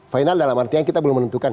final dalam artian kita belum menentukan